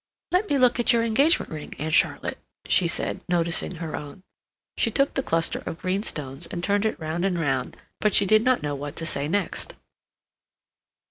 "Let me look at your engagement ring, Aunt Charlotte," she said, noticing her own. She took the cluster of green stones and turned it round and round, but she did not know what to say next.